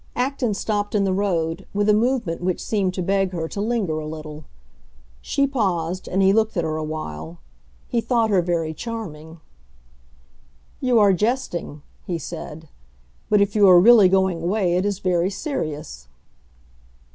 Acton stopped in the road, with a movement which seemed to beg her to linger a little. She paused, and he looked at her awhile; he thought her very charming. "You are jesting," he said; "but if you are really going away it is very serious."